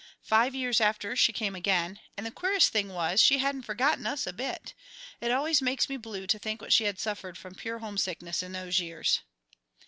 Five years after she came again; and the queerest thing was, she hadn't forgotten us a bit. It always makes me blue to think what she had suffered from pure homesickness in those years."